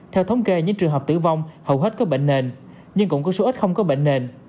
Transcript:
theo thống kê những trường hợp tử vong hầu hết có bệnh nền nhưng cũng có số ít không có bệnh nền